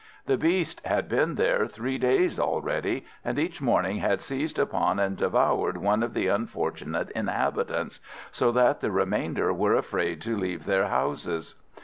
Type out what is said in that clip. The beast had been there three days already, and each morning had seized upon and devoured one of the unfortunate inhabitants, so that the remainder were afraid to leave their houses.